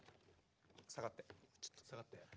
下がってちょっと下がって。